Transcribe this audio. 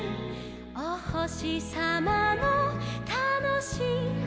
「おほしさまのたのしいはなし」